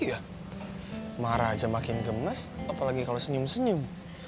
iya marah aja makin gemes apalagi kalau senyum senyum